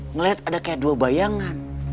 ngelihat ada kayak dua bayangan